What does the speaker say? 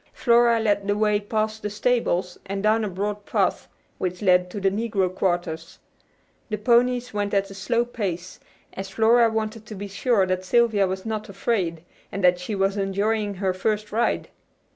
Flora led the way past the stables, and down a broad path which led to the negro quarters. The ponies went at a slow pace, as Flora wanted to be sure that Sylvia was not afraid, and that she was enjoying her first ride.